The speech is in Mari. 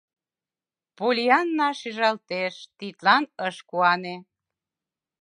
Поллианна, шижалтеш, тидлан ыш куане: